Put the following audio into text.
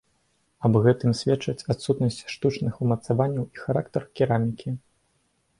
Аб гэтым сведчаць адсутнасць штучных умацаванняў і характар керамікі.